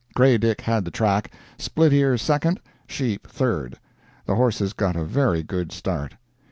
"Grey Dick" had the track, "Split ear" second, "Sheep" third. The horses got a very good start.